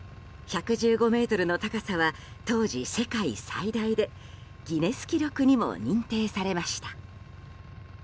１１５ｍの高さは当時、世界最大でギネス記録にも認定されました。